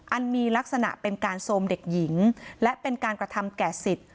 มีลักษณะเป็นการโทรมเด็กหญิงและเป็นการกระทำแก่สิทธิ